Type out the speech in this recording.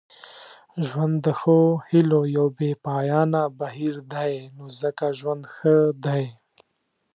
ژوند د ښو هیلو یو بې پایانه بهیر دی نو ځکه ژوند ښه دی.